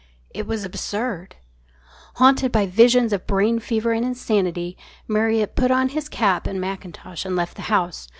It was absurd. Haunted by visions of brain fever and insanity, Marriott put on his cap and macintosh and left the house.